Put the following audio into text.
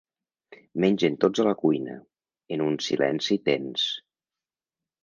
Mengen tots a la cuina, en un silenci tens.